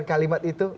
bukan kalimat itu